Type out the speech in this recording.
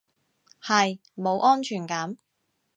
係，冇安全感